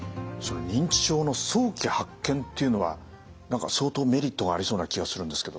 認知症の早期発見っていうのは何か相当メリットがありそうな気がするんですけど。